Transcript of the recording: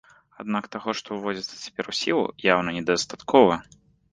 Аднак таго, што ўводзіцца цяпер у сілу, яўна недастаткова.